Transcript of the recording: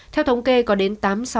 theo thống kê có đến tám mươi sáu